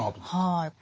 はい。